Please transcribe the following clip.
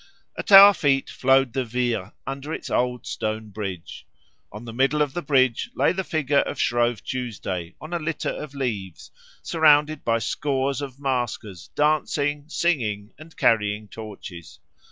At our feet flowed the Vire under its old stone bridge. On the middle of the bridge lay the figure of Shrove Tuesday on a litter of leaves, surrounded by scores of maskers dancing, singing, and carrying torches.